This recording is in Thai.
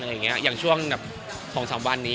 อย่างเงี้ยอย่างช่วงแบบ๒๓วันนี้